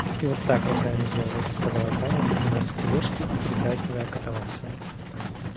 И вот так руками делает, — сказала Таня, поднимаясь в тележке и передразнивая Катавасова.